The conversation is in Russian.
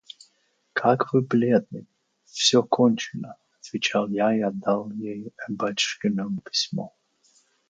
– Как вы бледны!» – «Все кончено!» – отвечал я и отдал ей батюшкино письмо.